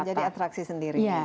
jadi atraksi sendiri